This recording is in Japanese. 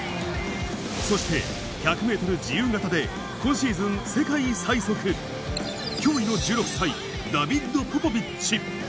そして、１００メートル自由形で今シーズン世界最速、驚異の１６歳、ダビッド・ポポビッチ。